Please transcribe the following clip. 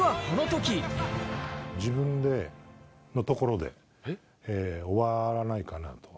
自分のところで、終わらないかなと。